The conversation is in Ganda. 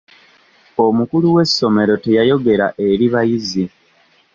Omukulu w'essomero teyayogera eri bayizi.